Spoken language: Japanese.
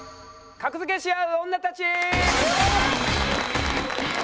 格付けしあう女たち！